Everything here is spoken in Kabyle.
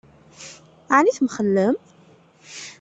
Ɛni temxellem?